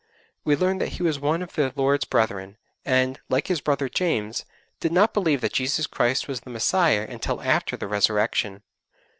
3 we learn that he was one of the Lord's brethren, and, like his brother, James, did not believe that Jesus Christ was the Messiah until after the Resurrection.